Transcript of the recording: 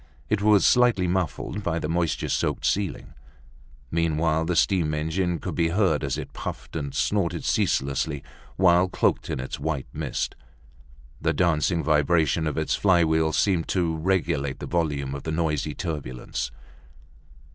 It was slightly muffled by the moisture soaked ceiling. Meanwhile, the steam engine could be heard as it puffed and snorted ceaselessly while cloaked in its white mist. The dancing vibration of its flywheel seemed to regulate the volume of the noisy turbulence.